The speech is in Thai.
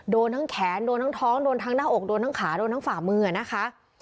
โดนทั้งแขนโดนทั้งท้องโดนทั้งหน้าอกโดนทั้งขาโดนทั้งฝ่ามือนะคะ